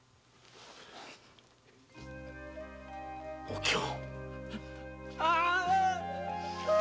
お京。